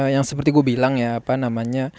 yang seperti gue bilang ya